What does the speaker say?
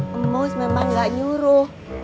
kamus memang gak nyuruh